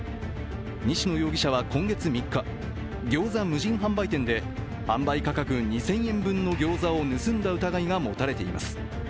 西野容疑者は今月３日、ギョーザ無人販売店で販売価格２０００円分のギョーザを盗んだ疑いが持たれています。